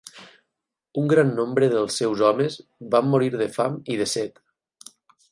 Un gran nombre dels seus homes van morir de fam i de set.